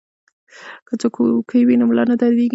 که څوکۍ وي نو ملا نه دردیږي.